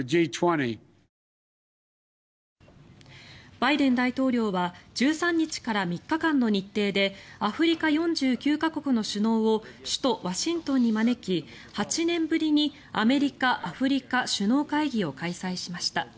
バイデン大統領は１３日から３日間の日程でアフリカ４９か国の首脳を首都ワシントンに招き８年ぶりにアメリカ・アフリカ首脳会議を開催しました。